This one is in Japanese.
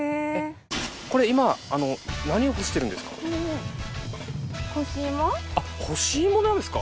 これ今あの干し芋なんですか？